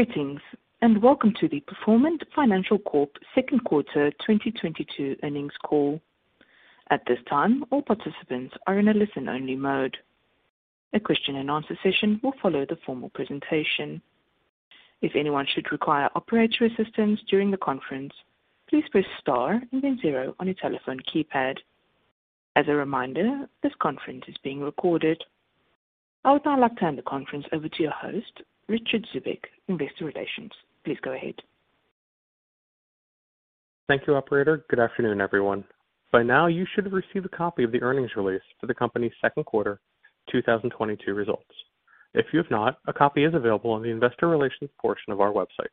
Greetings, and welcome to the Performant Financial Corporation Second Quarter 2022 earnings call. At this time, all participants are in a listen-only mode. A question and answer session will follow the formal presentation. If anyone should require operator assistance during the conference, please press star and then zero on your telephone keypad. As a reminder, this conference is being recorded. I would now like to hand the conference over to your host, Richard Zubek, Investor Relations. Please go ahead. Thank you, operator. Good afternoon, everyone. By now, you should have received a copy of the earnings release for the company's second quarter 2022 results. If you have not, a copy is available on the investor relations portion of our website.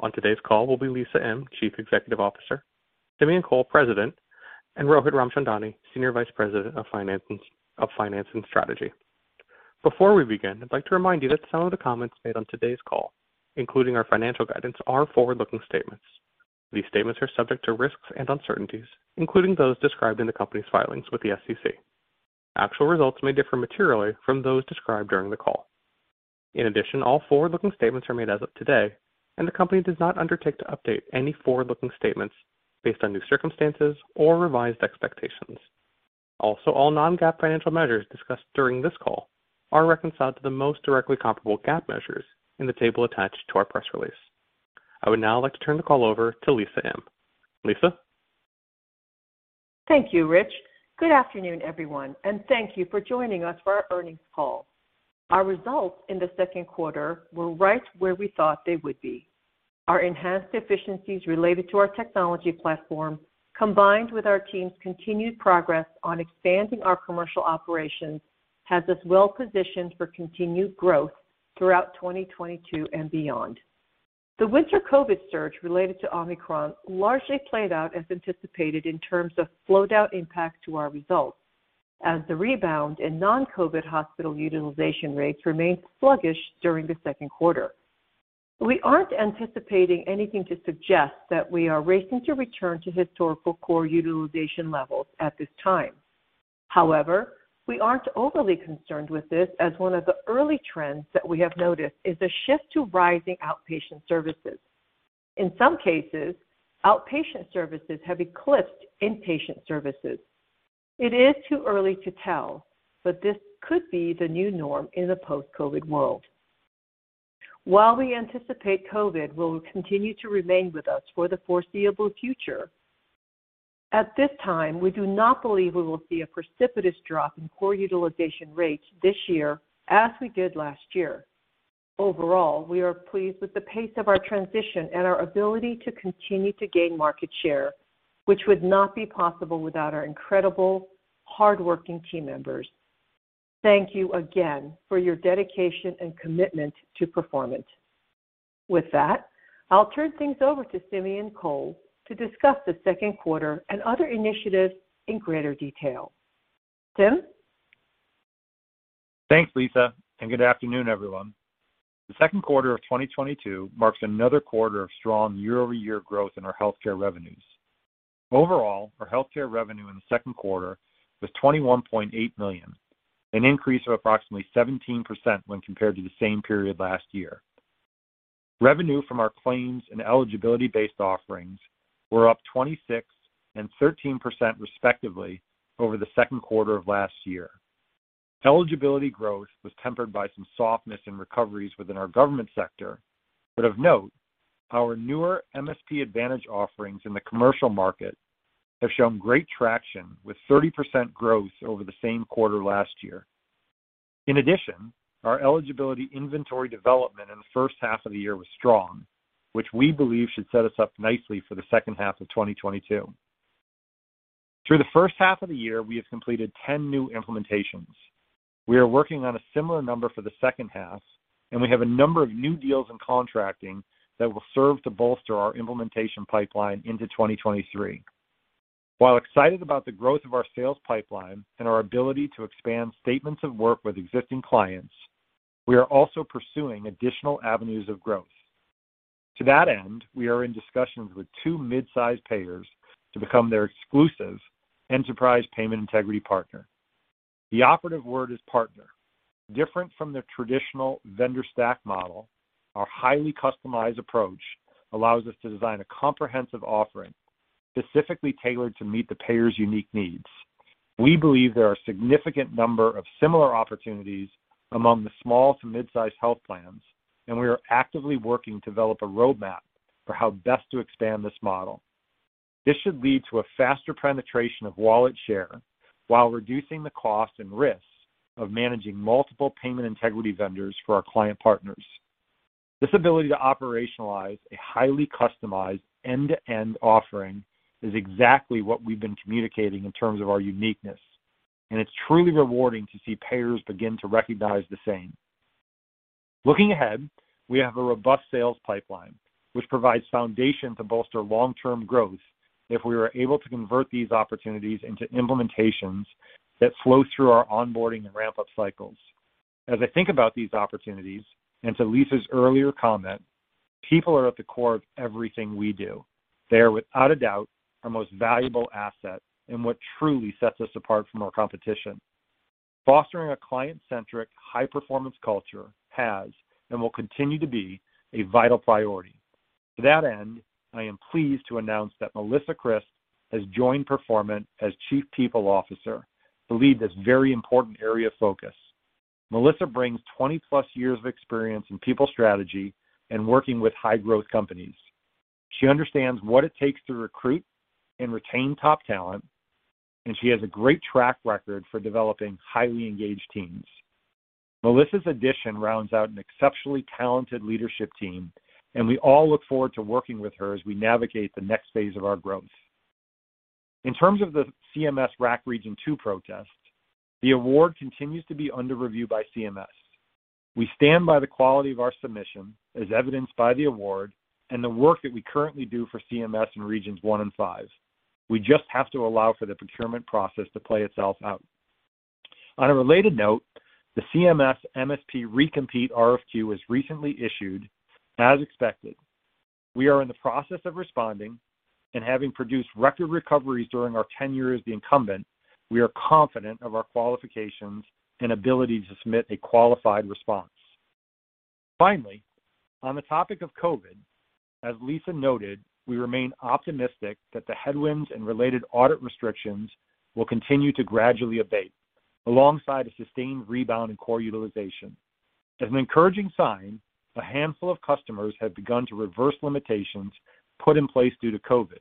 On today's call will be Lisa Im, Chief Executive Officer, Simeon Kohl, President, and Rohit Ramchandani, Senior Vice President of Finance and Strategy. Before we begin, I'd like to remind you that some of the comments made on today's call, including our financial guidance, are forward-looking statements. These statements are subject to risks and uncertainties, including those described in the company's filings with the SEC. Actual results may differ materially from those described during the call. In addition, all forward-looking statements are made as of today, and the company does not undertake to update any forward-looking statements based on new circumstances or revised expectations. Also, all non-GAAP financial measures discussed during this call are reconciled to the most directly comparable GAAP measures in the table attached to our press release. I would now like to turn the call over to Lisa Im. Lisa? Thank you, Richard. Good afternoon, everyone, and thank you for joining us for our earnings call. Our results in the second quarter were right where we thought they would be. Our enhanced efficiencies related to our technology platform, combined with our team's continued progress on expanding our commercial operations, has us well positioned for continued growth throughout 2022 and beyond. The winter COVID surge related to Omicron largely played out as anticipated in terms of flow-down impact to our results as the rebound in non-COVID hospital utilization rates remained sluggish during the second quarter. We aren't anticipating anything to suggest that we are racing to return to historical core utilization levels at this time. However, we aren't overly concerned with this as one of the early trends that we have noticed is a shift to rising outpatient services. In some cases, outpatient services have eclipsed inpatient services. It is too early to tell, but this could be the new norm in the post-COVID world. While we anticipate COVID will continue to remain with us for the foreseeable future, at this time, we do not believe we will see a precipitous drop in core utilization rates this year as we did last year. Overall, we are pleased with the pace of our transition and our ability to continue to gain market share, which would not be possible without our incredible hardworking team members. Thank you again for your dedication and commitment to Performant. With that, I'll turn things over to Simeon Kohl to discuss the second quarter and other initiatives in greater detail. Simeon? Thanks, Lisa, and good afternoon, everyone. The second quarter of 2022 marks another quarter of strong year-over-year growth in our healthcare revenues. Overall, our healthcare revenue in the second quarter was $21.8 million, an increase of approximately 17% when compared to the same period last year. Revenue from our claims and eligibility-based offerings were up 26% and 13% respectively over the second quarter of last year. Eligibility growth was tempered by some softness in recoveries within our government sector, but of note, our newer MSP Advantage offerings in the commercial market have shown great traction, with 30% growth over the same quarter last year. In addition, our eligibility inventory development in the first half of the year was strong, which we believe should set us up nicely for the second half of 2022. Through the first half of the year, we have completed 10 new implementations. We are working on a similar number for the second half, and we have a number of new deals in contracting that will serve to bolster our implementation pipeline into 2023. While excited about the growth of our sales pipeline and our ability to expand statements of work with existing clients, we are also pursuing additional avenues of growth. To that end, we are in discussions with two mid-sized payers to become their exclusive enterprise payment integrity partner. The operative word is partner. Different from the traditional vendor stack model, our highly customized approach allows us to design a comprehensive offering specifically tailored to meet the payer's unique needs. We believe there are a significant number of similar opportunities among the small to mid-sized health plans, and we are actively working to develop a roadmap for how best to expand this model. This should lead to a faster penetration of wallet share while reducing the cost and risks of managing multiple payment integrity vendors for our client partners. This ability to operationalize a highly customized end-to-end offering is exactly what we've been communicating in terms of our uniqueness, and it's truly rewarding to see payers begin to recognize the same. Looking ahead, we have a robust sales pipeline which provides foundation to bolster long-term growth if we are able to convert these opportunities into implementations that flow through our onboarding and ramp-up cycles. As I think about these opportunities, and to Lisa's earlier comment, people are at the core of everything we do. They are, without a doubt, our most valuable asset and what truly sets us apart from our competition. Fostering a client-centric high-performance culture has and will continue to be a vital priority. To that end, I am pleased to announce that Melissa Christ has joined Performant as Chief People Officer to lead this very important area of focus. Melissa brings 20+ years of experience in people strategy and working with high-growth companies. She understands what it takes to recruit and retain top talent, and she has a great track record for developing highly engaged teams. Melissa's addition rounds out an exceptionally talented leadership team, and we all look forward to working with her as we navigate the next phase of our growth. In terms of the CMS RAC Region 2 protest, the award continues to be under review by CMS. We stand by the quality of our submission as evidenced by the award and the work that we currently do for CMS in Regions 1 and 5. We just have to allow for the procurement process to play itself out. On a related note, the CMS MSP recompete RFQ was recently issued as expected. We are in the process of responding and having produced record recoveries during our tenure as the incumbent, we are confident of our qualifications and ability to submit a qualified response. Finally, on the topic of COVID, as Lisa noted, we remain optimistic that the headwinds and related audit restrictions will continue to gradually abate alongside a sustained rebound in core utilization. As an encouraging sign, a handful of customers have begun to reverse limitations put in place due to COVID,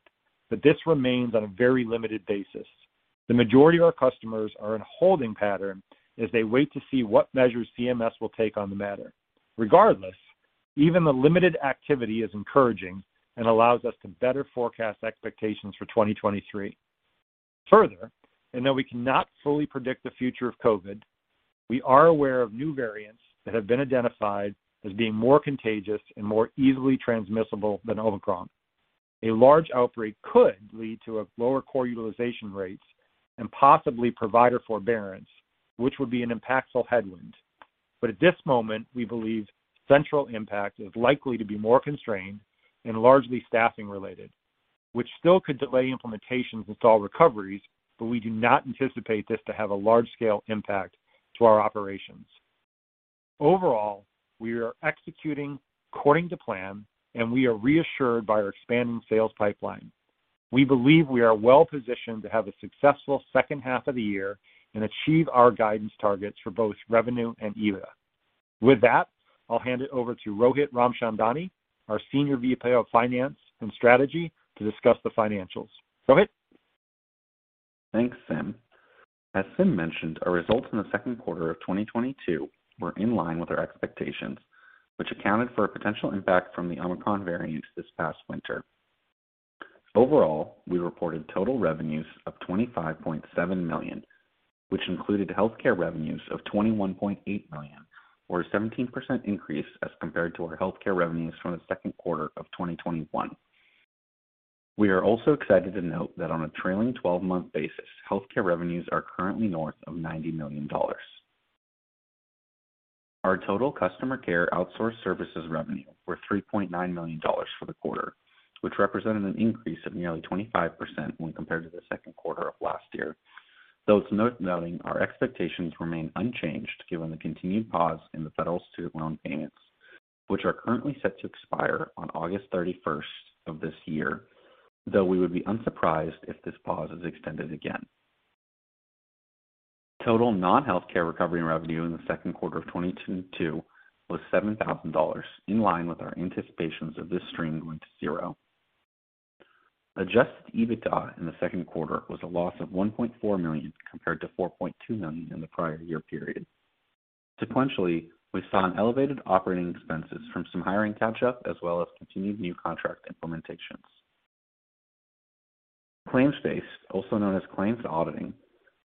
but this remains on a very limited basis. The majority of our customers are in a holding pattern as they wait to see what measures CMS will take on the matter. Regardless, even the limited activity is encouraging and allows us to better forecast expectations for 2023. Further, and though we cannot fully predict the future of COVID, we are aware of new variants that have been identified as being more contagious and more easily transmissible than Omicron. A large outbreak could lead to a lower core utilization rates and possibly provider forbearance, which would be an impactful headwind. At this moment, we believe central impact is likely to be more constrained and largely staffing related, which still could delay implementations and stall recoveries, but we do not anticipate this to have a large scale impact to our operations. Overall, we are executing according to plan, and we are reassured by our expanding sales pipeline. We believe we are well positioned to have a successful second half of the year and achieve our guidance targets for both revenue and EBITDA. With that, I'll hand it over to Rohit Ramchandani, our Senior VP of Finance and Strategy, to discuss the financials. Rohit. Thanks, Simeon. As Simeon mentioned, our results in the second quarter of 2022 were in line with our expectations, which accounted for a potential impact from the Omicron variant this past winter. Overall, we reported total revenues of $25.7 million, which included healthcare revenues of $21.8 million, or a 17% increase as compared to our healthcare revenues from the second quarter of 2021. We are also excited to note that on a trailing twelve-month basis, healthcare revenues are currently north of $90 million. Our total customer care outsource services revenue were $3.9 million for the quarter, which represented an increase of nearly 25% when compared to the second quarter of last year. Though it's worth noting our expectations remain unchanged given the continued pause in the federal student loan payments, which are currently set to expire on August thirty-first of this year, though we would be unsurprised if this pause is extended again. Total non-healthcare recovery revenue in the second quarter of 2022 was $7,000, in line with our anticipations of this stream going to zero. Adjusted EBITDA in the second quarter was a loss of $1.4 million, compared to $4.2 million in the prior year period. Sequentially, we saw an elevated operating expenses from some hiring catch up as well as continued new contract implementations. Claims-based, also known as claims auditing,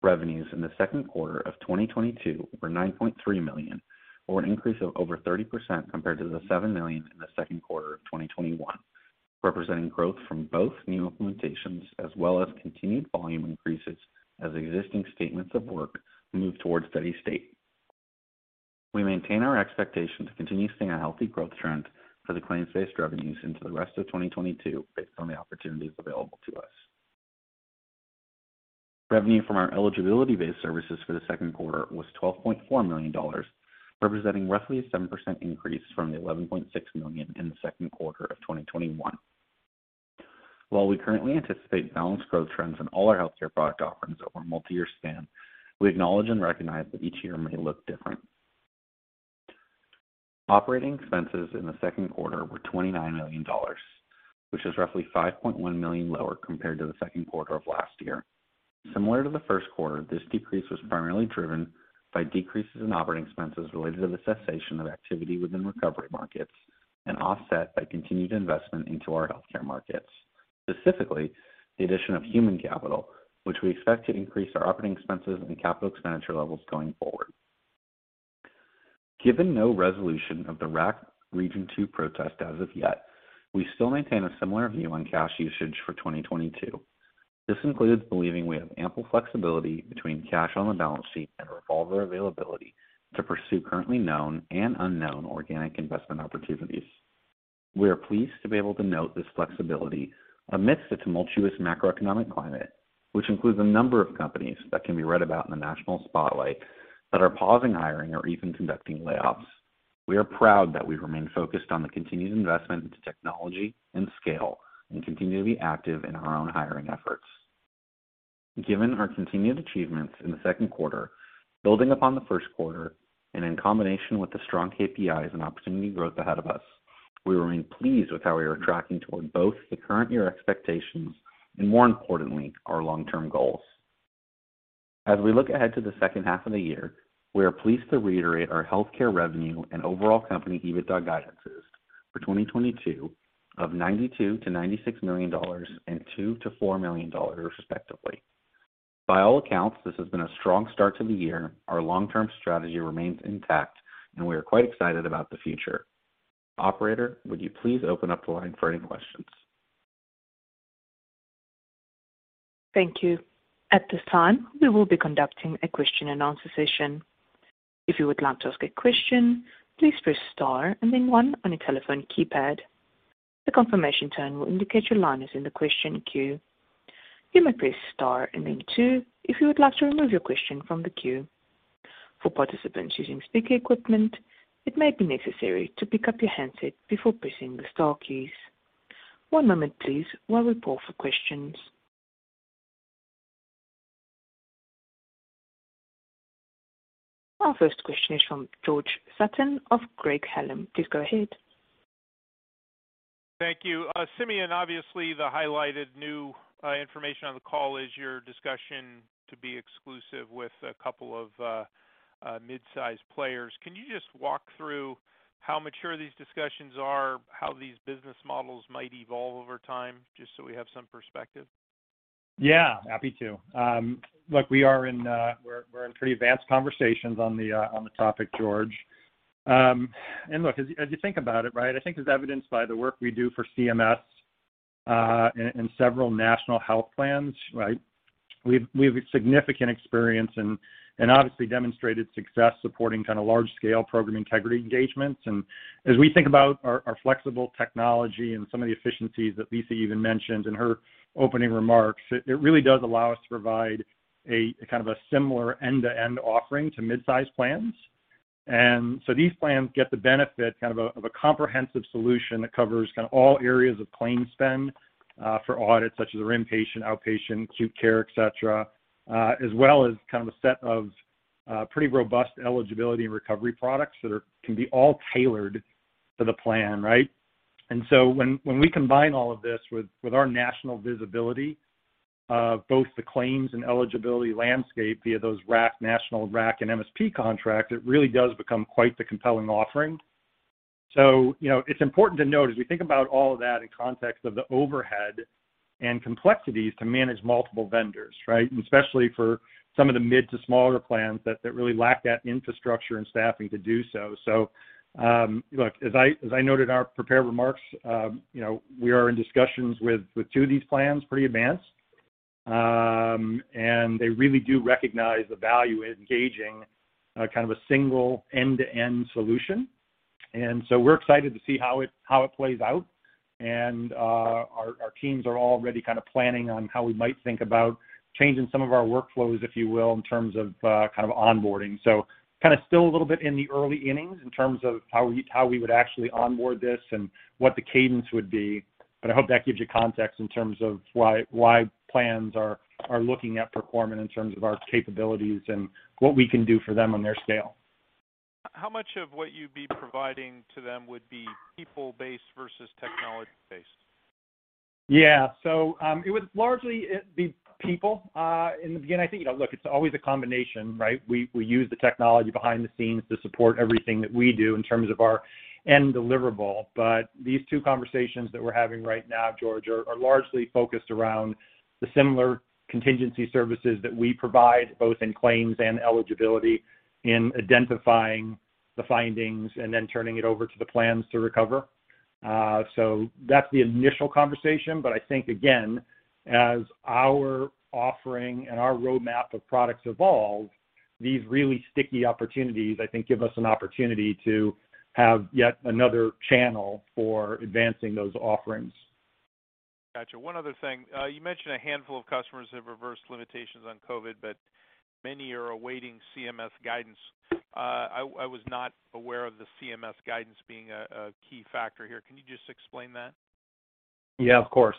revenues in the second quarter of 2022 were $9.3 million, or an increase of over 30% compared to the $7 million in the second quarter of 2021, representing growth from both new implementations as well as continued volume increases as existing statements of work move towards steady state. We maintain our expectation to continue seeing a healthy growth trend for the claims-based revenues into the rest of 2022 based on the opportunities available to us. Revenue from our eligibility-based services for the second quarter was $12.4 million, representing roughly a 7% increase from the $11.6 million in the second quarter of 2021. While we currently anticipate balanced growth trends in all our healthcare product offerings over a multi-year span, we acknowledge and recognize that each year may look different. Operating expenses in the second quarter were $29 million, which is roughly $5.1 million lower compared to the second quarter of last year. Similar to the first quarter, this decrease was primarily driven by decreases in operating expenses related to the cessation of activity within recovery markets and offset by continued investment into our healthcare markets. Specifically, the addition of human capital, which we expect to increase our operating expenses and capital expenditure levels going forward. Given no resolution of the RAC Region 2 protest as of yet, we still maintain a similar view on cash usage for 2022. This includes believing we have ample flexibility between cash on the balance sheet and revolver availability to pursue currently known and unknown organic investment opportunities. We are pleased to be able to note this flexibility amidst the tumultuous macroeconomic climate, which includes a number of companies that can be read about in the national spotlight that are pausing hiring or even conducting layoffs. We are proud that we remain focused on the continued investment into technology and scale and continue to be active in our own hiring efforts. Given our continued achievements in the second quarter, building upon the first quarter and in combination with the strong KPIs and opportunity growth ahead of us, we remain pleased with how we are tracking toward both the current year expectations and more importantly, our long-term goals. As we look ahead to the second half of the year, we are pleased to reiterate our healthcare revenue and overall company EBITDA guidances for 2022 of $92 million-$96 million and $2 million-$4 million, respectively. By all accounts, this has been a strong start to the year. Our long-term strategy remains intact, and we are quite excited about the future. Operator, would you please open up the line for any questions? Thank you. At this time, we will be conducting a question and answer session. If you would like to ask a question, please press star and then one on your telephone keypad. The confirmation tone will indicate your line is in the question queue. You may press star and then two if you would like to remove your question from the queue. For participants using speaker equipment, it may be necessary to pick up your handset before pressing the star keys. One moment please while we pull for questions. Our first question is from George Sutton of Craig-Hallum. Please go ahead. Thank you. Simeon, obviously the highlighted new information on the call is your discussion to be exclusive with a couple of mid-sized players. Can you just walk through how mature these discussions are, how these business models might evolve over time, just so we have some perspective? Yeah. Happy to. Look, we're in pretty advanced conversations on the topic, George. Look, as you think about it, right, I think as evidenced by the work we do for CMS, and several national health plans, right? We have significant experience and obviously demonstrated success supporting kind of large scale program integrity engagements. As we think about our flexible technology and some of the efficiencies that Lisa even mentioned in her opening remarks, it really does allow us to provide a kind of a similar end-to-end offering to mid-size plans. These plans get the benefit, kind of a, of a comprehensive solution that covers kind of all areas of claims spend for audits such as your inpatient, outpatient, acute care, et cetera, as well as kind of a set of pretty robust eligibility and recovery products that can be all tailored to the plan, right? When we combine all of this with our national visibility of both the claims and eligibility landscape via those RAC, national RAC and MSP contract, it really does become quite the compelling offering. You know, it's important to note as we think about all of that in context of the overhead and complexities to manage multiple vendors, right? Especially for some of the mid to smaller plans that really lack that infrastructure and staffing to do so. Look, as I noted in our prepared remarks, you know, we are in discussions with two of these plans, pretty advanced. They really do recognize the value in engaging kind of a single end-to-end solution. We're excited to see how it plays out. Our teams are already kind of planning on how we might think about changing some of our workflows, if you will, in terms of kind of onboarding. Kind of still a little bit in the early innings in terms of how we would actually onboard this and what the cadence would be. I hope that gives you context in terms of why plans are looking at Performant in terms of our capabilities and what we can do for them on their scale. How much of what you'd be providing to them would be people-based versus technology-based? Yeah. It would largely be people. In the beginning, I think, you know, look, it's always a combination, right? We use the technology behind the scenes to support everything that we do in terms of our end deliverable. These two conversations that we're having right now, George, are largely focused around the similar contingency services that we provide, both in claims and eligibility, in identifying the findings and then turning it over to the plans to recover. That's the initial conversation. I think, again, as our offering and our roadmap of products evolve, these really sticky opportunities, I think, give us an opportunity to have yet another channel for advancing those offerings. Gotcha. One other thing. You mentioned a handful of customers have reversed limitations on COVID, but many are awaiting CMS guidance. I was not aware of the CMS guidance being a key factor here. Can you just explain that? Yeah, of course.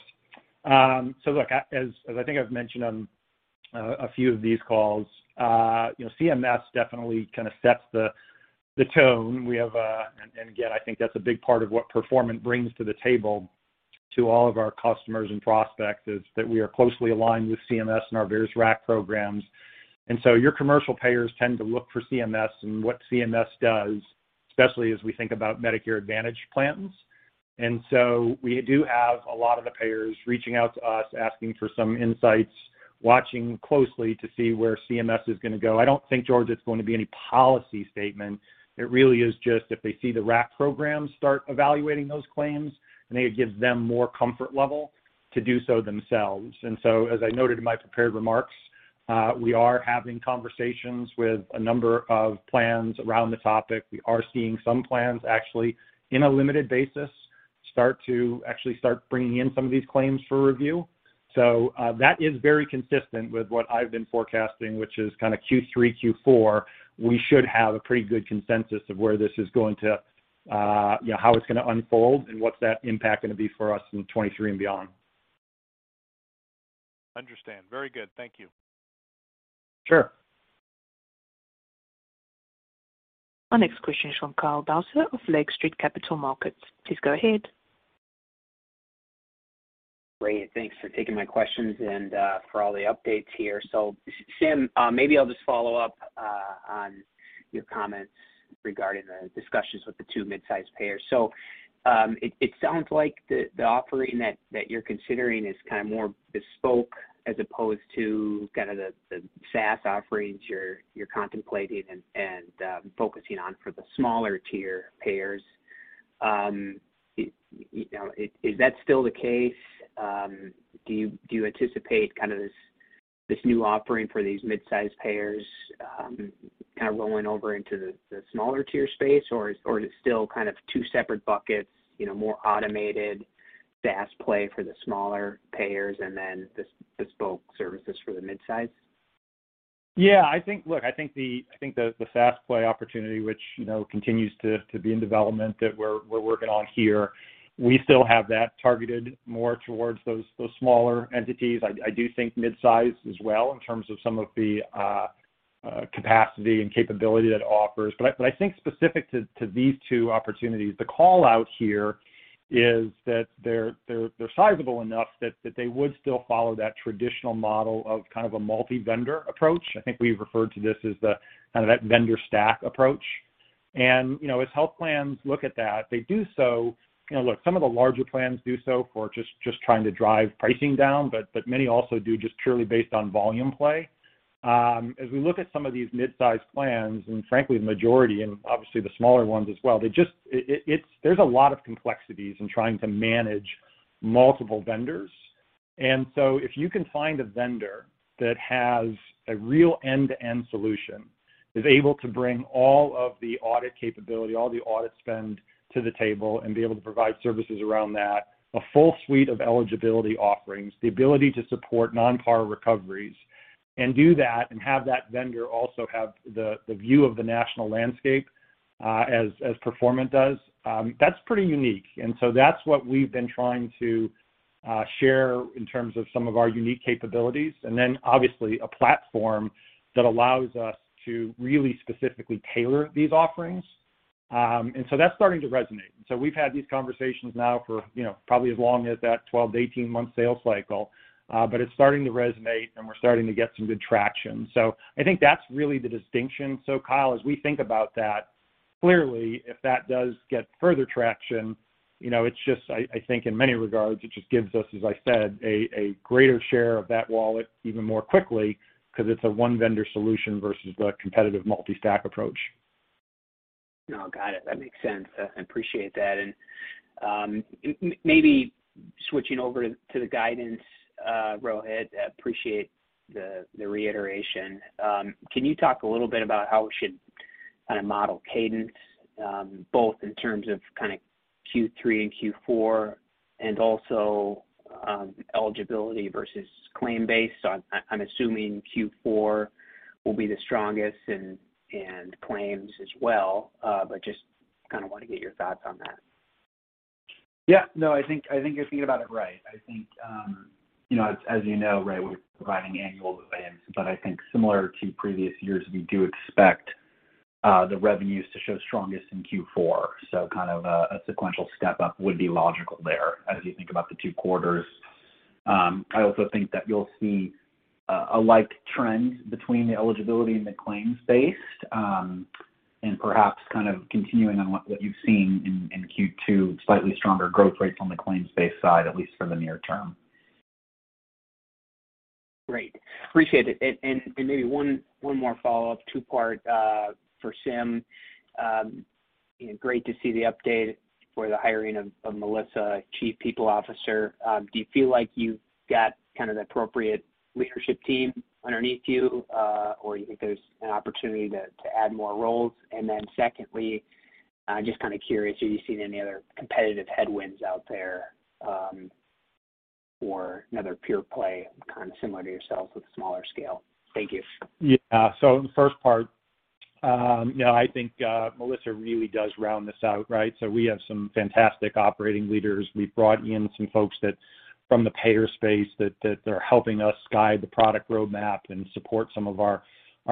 Look, as I think I've mentioned on a few of these calls, you know, CMS definitely kind of sets the tone. Again, I think that's a big part of what Performant brings to the table to all of our customers and prospects, is that we are closely aligned with CMS and our various RAC programs. Your commercial payers tend to look for CMS and what CMS does, especially as we think about Medicare Advantage plans. We do have a lot of the payers reaching out to us, asking for some insights, watching closely to see where CMS is gonna go. I don't think, George, it's going to be any policy statement. It really is just if they see the RAC programs start evaluating those claims, I think it gives them more comfort level to do so themselves. As I noted in my prepared remarks, we are having conversations with a number of plans around the topic. We are seeing some plans actually, in a limited basis, start to actually bringing in some of these claims for review. That is very consistent with what I've been forecasting, which is kinda Q3, Q4, we should have a pretty good consensus of where this is going to, you know, how it's gonna unfold and what's that impact gonna be for us in 2023 and beyond. Understand. Very good. Thank you. Sure. Our next question is from Kyle Bauser of Lake Street Capital Markets. Please go ahead. Great. Thanks for taking my questions and for all the updates here. Simeon, maybe I'll just follow up on your comments regarding the discussions with the two mid-sized payers. It sounds like the offering that you're considering is kinda more bespoke as opposed to kinda the SaaS offerings you're contemplating and focusing on for the smaller tier payers. You know, is that still the case? Do you anticipate kinda this new offering for these mid-sized payers, kinda rolling over into the smaller tier space, or is it still kind of two separate buckets, you know, more automated SaaS play for the smaller payers and then the bespoke services for the mid-sized? Yeah, I think. Look, I think the SaaS play opportunity, which, you know, continues to be in development that we're working on here, we still have that targeted more towards those smaller entities. I do think mid-size as well in terms of some of the capacity and capability that offers. I think specific to these two opportunities, the call-out here is that they're sizable enough that they would still follow that traditional model of kind of a multi-vendor approach. I think we've referred to this as the kind of that vendor stack approach. You know, as health plans look at that, they do so. You know, look, some of the larger plans do so for just trying to drive pricing down, but many also do just purely based on volume play. As we look at some of these mid-size plans, and frankly the majority, and obviously the smaller ones as well, they just, it's, there's a lot of complexities in trying to manage multiple vendors. If you can find a vendor that has a real end-to-end solution, is able to bring all of the audit capability, all the audit spend to the table and be able to provide services around that, a full suite of eligibility offerings, the ability to support non-par recoveries and do that and have that vendor also have the view of the national landscape, as Performant does, that's pretty unique. That's what we've been trying to share in terms of some of our unique capabilities. Obviously a platform that allows us to really specifically tailor these offerings. That's starting to resonate. We've had these conversations now for, you know, probably as long as that 12-18-month sales cycle, but it's starting to resonate, and we're starting to get some good traction. I think that's really the distinction. Kyle, as we think about that, clearly, if that does get further traction, you know, it's just, I think in many regards it just gives us, as I said, a greater share of that wallet even more quickly, 'cause it's a one-vendor solution versus the competitive multi-stack approach. No, got it. That makes sense. Appreciate that. Maybe switching over to the guidance, Rohit, appreciate the reiteration. Can you talk a little bit about how we should kinda model cadence, both in terms of kinda Q3 and Q4 and also, eligibility versus claim-based? I'm assuming Q4 will be the strongest and claims as well. Just kinda wanna get your thoughts on that. Yeah. No, I think you're thinking about it right. I think you know, as you know, right, we're providing annual plans. I think similar to previous years, we do expect the revenues to show strongest in Q4. Kind of a sequential step up would be logical there as you think about the two quarters. I also think that you'll see a like trend between the eligibility and the claims-based and perhaps kind of continuing on what you've seen in Q2, slightly stronger growth rates on the claims-based side, at least for the near term. Great. Appreciate it. Maybe one more follow-up, two-part, for Simeon. You know, great to see the update for the hiring of Melissa Christ, Chief People Officer. Do you feel like you've got kind of the appropriate leadership team underneath you, or you think there's an opportunity to add more roles? Secondly, just kinda curious, have you seen any other competitive headwinds out there, or another pure play kinda similar to yourself with a smaller scale? Thank you. Yeah. The first part, you know, I think Melissa really does round this out, right? We have some fantastic operating leaders. We've brought in some folks from the payer space that are helping us guide the product roadmap and support some of our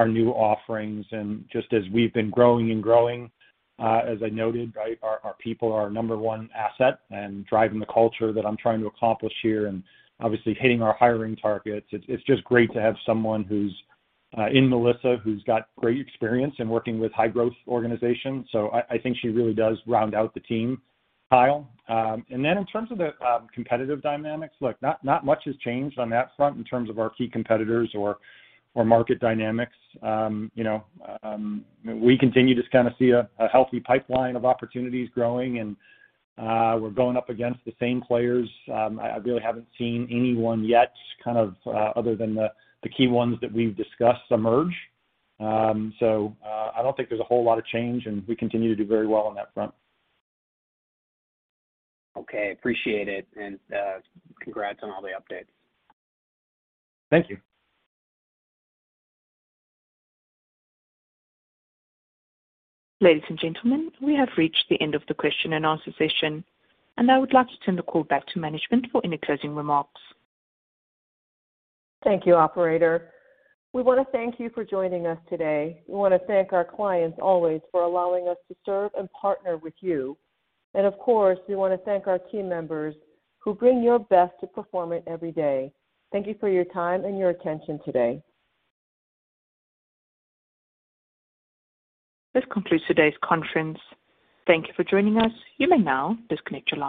new offerings. Just as we've been growing and growing, as I noted, right, our people are our number one asset in driving the culture that I'm trying to accomplish here and obviously hitting our hiring targets. It's just great to have someone who's like Melissa, who's got great experience in working with high-growth organizations. I think she really does round out the team, Kyle. In terms of the competitive dynamics, look, not much has changed on that front in terms of our key competitors or market dynamics. You know, we continue to kinda see a healthy pipeline of opportunities growing and we're going up against the same players. I really haven't seen anyone yet kind of other than the key ones that we've discussed emerge. I don't think there's a whole lot of change, and we continue to do very well on that front. Okay. Appreciate it. Congrats on all the updates. Thank you. Ladies and gentlemen, we have reached the end of the question and answer session, and I would like to turn the call back to management for any closing remarks. Thank you, operator. We wanna thank you for joining us today. We wanna thank our clients always for allowing us to serve and partner with you. Of course, we wanna thank our team members who bring your best to Performant every day. Thank you for your time and your attention today. This concludes today's conference. Thank you for joining us. You may now disconnect your line.